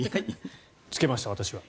つけました、私は。